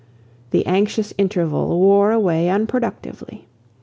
The anxious interval wore away unproductively.